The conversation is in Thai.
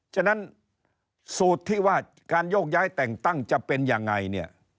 ฉะนั้นสูตรที่ว่าการโยกย้ายแต่งตั้งจะเป็นยังไงเนี่ย